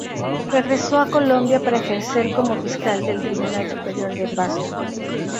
Regresó a Colombia para ejercer como fiscal del Tribunal Superior de Pasto.